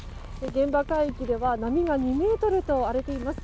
現場海域では波が２ｍと荒れています。